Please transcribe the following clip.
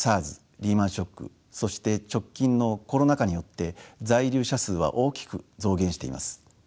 リーマンショックそして直近のコロナ禍によって在留者数は大きく増減しています。